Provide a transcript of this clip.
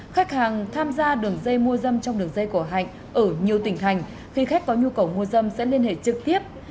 khách hàng tham gia đường dây mua dâm trong đường dây của hạnh ở nhiều tỉnh thành khi khách có nhu cầu mua dâm sẽ liên hệ trực tiếp